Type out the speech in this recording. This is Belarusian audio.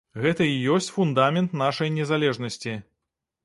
Гэта і ёсць фундамент нашай незалежнасці.